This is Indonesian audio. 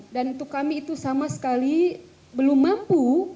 dan untuk kami itu sama sekali belum mampu